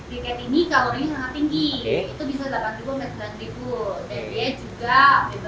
briket ini kalorinya sangat tinggi itu bisa rp delapan sembilan dan dia juga bebas dari kurang